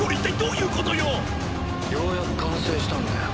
ようやく完成したんだよ。